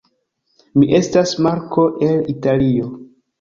Mi estas Marko el Italio